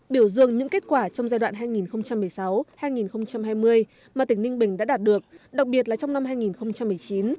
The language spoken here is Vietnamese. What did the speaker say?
biểu dương những kết quả trong giai đoạn hai nghìn một mươi sáu hai nghìn hai mươi mà tỉnh ninh bình đã đạt được đặc biệt là trong năm hai nghìn một mươi chín